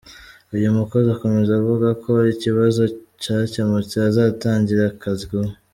Uyu mukozi akomeza avuga ko ikibazo cyakemutse azatangira akazi vuba.